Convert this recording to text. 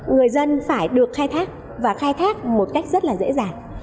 người dân phải được khai thác và khai thác một cách rất là dễ dàng